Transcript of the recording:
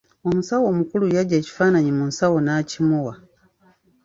Omusawo omukulu yaggya ekifaananyi mu nsawo n'akimuwa.